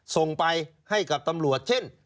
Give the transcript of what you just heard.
ส่งไปให้กับตำรวจเช่น